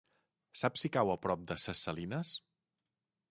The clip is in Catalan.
Saps si cau a prop de Ses Salines?